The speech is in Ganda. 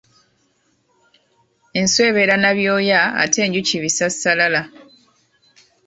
Enswa ebeera na byoya ate enjuki bisassalala.